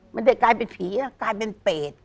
ได้กลายเป็นผีนะกลายเป็นเปรต